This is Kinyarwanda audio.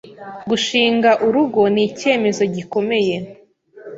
Gushinga urugo ni icyemezo gikomeye